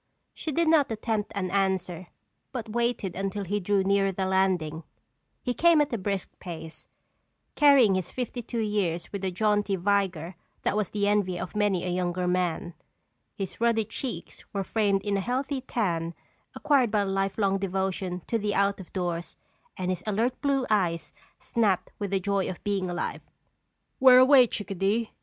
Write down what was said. She did not attempt an answer but waited until he drew nearer the landing. He came at a brisk pace, carrying his fifty two years with a jaunty vigor that was the envy of many a younger man. His ruddy cheeks were framed in a healthy tan acquired by a life long devotion to the out of doors and his alert, blue eyes snapped with the joy of being alive. "Where away, Chick a dee?"